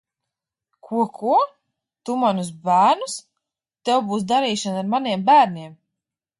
Ko, ko? Tu manus bērnus? Tev būs darīšana ar maniem bērniem!